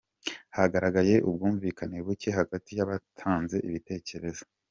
Hagaragaye ubwumvikane bucye hagati y’abatanze ibitekerezo: